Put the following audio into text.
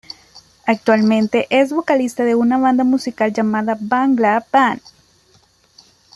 Actualmente es vocalista de una banda musical llamada Bangla band.